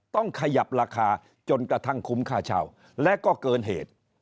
ต้องขยับราคาจนกระทั่งคุ้มค่าเช่าและก็เกินเหตุ